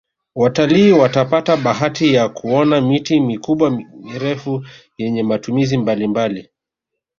watalii watapata bahati ya kuona miti mikubwa mirefu yenye matumizi mbalimbali